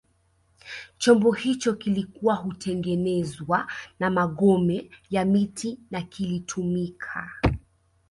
Chombo hicho kilikuwa hutengenezwa na magome ya miti na kilitumika